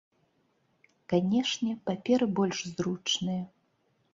Канешне, паперы больш зручныя.